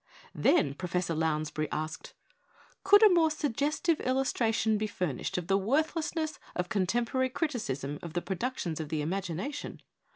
Then Professor Lounsbury asked: "Could a more suggestive illustration be furnished of the worthlessness of contemporary criticism of the productions of the imagination?